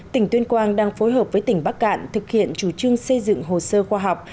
tỉnh tuyên quang đang phối hợp với tỉnh bắc cạn thực hiện chủ trương xây dựng hồ sơ khoa học